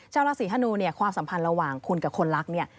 ชาวราศีธนูเนี่ยความสัมพันธ์ระหว่างคุณกับคนรักเนี่ย